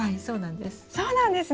そうなんです。